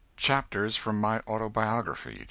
CHAPTERS FROM MY AUTOBIOGRAPHY.